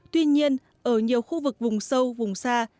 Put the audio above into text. tuy nhiên ở nhiều khu vực vùng sâu vùng xa